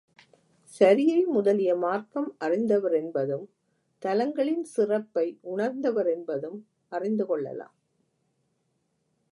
சரியை முதலிய மார்க்கம் அறிந்தவரென்பதும், தலங்களின் சிறப்பை உணர்ந்தவரென்பதும் அறிந்து கொள்ளலாம்.